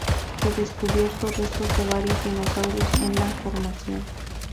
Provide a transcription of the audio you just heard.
Se descubierto restos de varios dinosaurios en la formación.